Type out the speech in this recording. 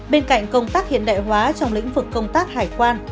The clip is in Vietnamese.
bên cạnh công tác hiện đại hóa trong lĩnh vực công tác hải quan